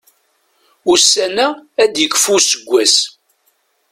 Ussan-a ad yekfu useggas.